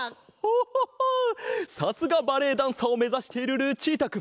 さすがバレエダンサーをめざしているルチータくん。